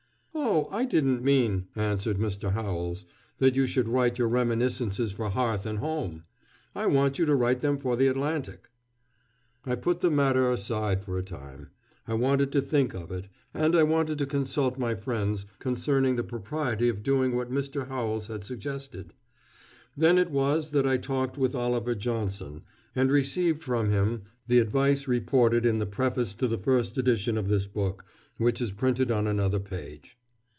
"Oh, I didn't mean," answered Mr. Howells, "that you should write your reminiscences for Hearth and Home. I want you to write them for the Atlantic." I put the matter aside for a time. I wanted to think of it, and I wanted to consult my friends concerning the propriety of doing what Mr. Howells had suggested. Then it was that I talked with Oliver Johnson, and received from him the advice reported in the preface to the first edition of this book, which is printed on another page.